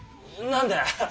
何だよ！